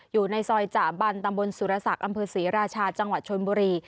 อยู่ในซอยจาบันตำบลสุรษักรรมศรีราชาจังหวะชนโบรี